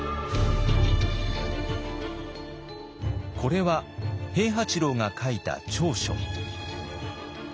これは平八郎が書いた調書。